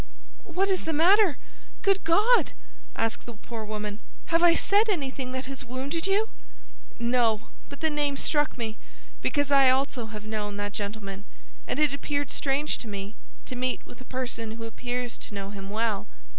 "What is the matter? Good God!" asked the poor woman, "have I said anything that has wounded you?" "No; but the name struck me, because I also have known that gentleman, and it appeared strange to me to meet with a person who appears to know him well."